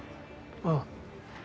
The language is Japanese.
ああ。